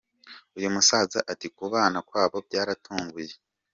Uyu musaza ati Kubana kwabo byarantunguye.